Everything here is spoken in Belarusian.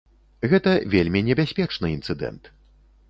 Гэта вельмі небяспечны інцыдэнт.